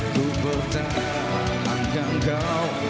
ku bertahan dengan kau